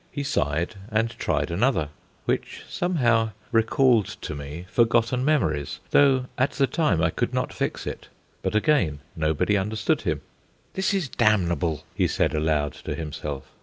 He sighed, and tried another, which somehow recalled to me forgotten memories, though, at the time, I could not fix it. But again nobody understood him. "This is damnable," he said aloud to himself.